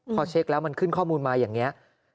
พอเช็คแล้วมันขึ้นข้อมูลมาอย่างนี้